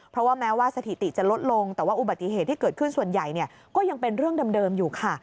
เพราะว่าแม้ว่าสถิติจะลดลงแต่ว่าอุบัติเหตุที่เกิดขึ้นส่วนใหญ่ก็ยังเป็นเรื่องเดิมอยู่ค่ะ